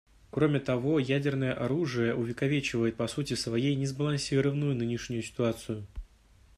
Кроме того, ядерное оружие увековечивает по сути своей несбалансированную нынешнюю ситуацию.